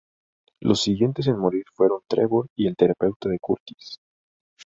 Los siguientes en morir fueron Trevor y el terapeuta de Curtis.